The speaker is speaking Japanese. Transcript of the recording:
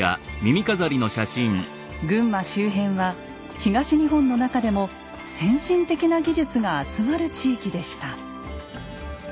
群馬周辺は東日本の中でも先進的な技術が集まる地域でした。